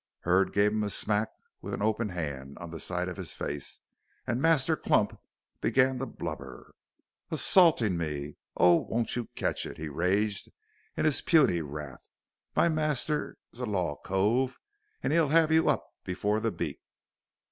Hurd gave him a smack with an open hand on the side of his face, and Master Clump began to blubber. "Assalting me oh, won't you ketch it," he raged in his puny wrath. "My master's a law cove, and he'll 'ave y' up before the beak."